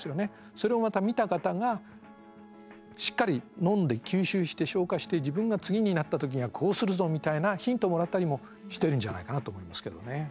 それをまた見た方がしっかりのんで吸収して消化して自分が次になった時にはこうするぞみたいなヒントをもらったりもしてるんじゃないかなと思いますけどね。